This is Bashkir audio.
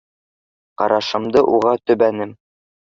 Ҡарашымды уға төбәнем.